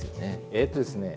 えっとですね